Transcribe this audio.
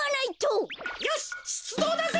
よししゅつどうだぜ！